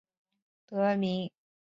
以在太行山之东而得名。